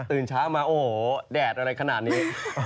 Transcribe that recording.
เช้ามาโอ้โหแดดอะไรขนาดนี้